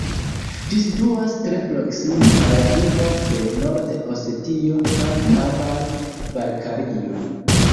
Ĝi situas tre proksime al la limo de Nord-Osetio kaj Kabard-Balkario.